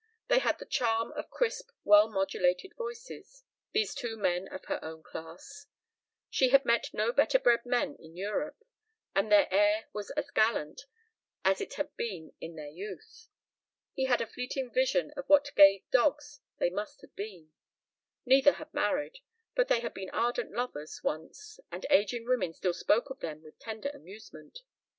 They had the charm of crisp well modulated voices, these two men of her own class; she had met no better bred men in Europe; and their air was as gallant as it had been in their youth. He had a fleeting vision of what gay dogs they must have been. Neither had married, but they had been ardent lovers once and aging women still spoke of them with tender amusement.